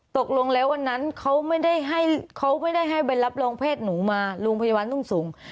ตกลงแล้ววันนั้นเขาไม่ได้ให้ใบรับรองแพทย์หนูมาโรงพยาบาลตุ้งสงส์